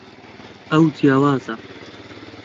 ئەو جیاوازە.